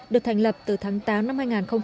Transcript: được thành lập từ tháng tám năm hai nghìn một mươi